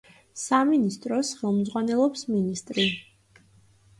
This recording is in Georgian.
სამინისტროს ხელმძღვანელობს მინისტრი.